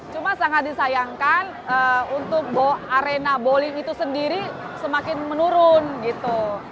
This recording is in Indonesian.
cuma sangat disayangkan untuk arena bowling itu sendiri semakin menurun gitu